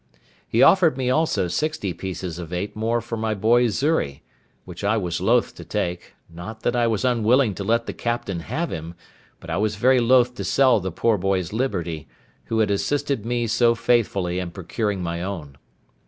He offered me also sixty pieces of eight more for my boy Xury, which I was loth to take; not that I was unwilling to let the captain have him, but I was very loth to sell the poor boy's liberty, who had assisted me so faithfully in procuring my own.